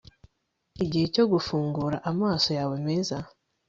igihe cyo gufungura amaso yawe meza